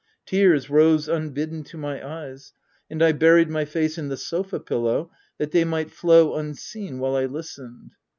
Tears rose unbidden to my eyes, and I buried my face in the sofa pillow that they might flow unseen while I listened.